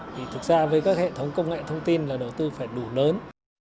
thì thực ra với các hệ thống công nghệ thông tin là đầu tư phải đủ lớn